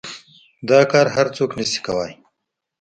دا کار هر سوک نشي کواى.